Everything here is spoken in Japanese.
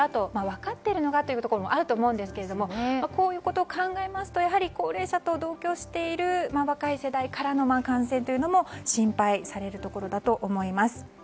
分かっているのがというところもあると思いますがこういうことを考えますと高齢者と同居している若い世代からの感染というのも心配されるところだと思います。